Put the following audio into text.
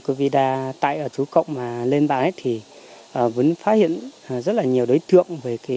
covid một mươi chín tại ở chú cộng mà lên bàn ấy thì vẫn phát hiện rất là nhiều đối tượng